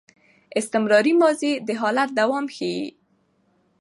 استمراري ماضي د حالت دوام ښيي.